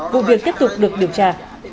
vụ việc tiếp tục được điều tra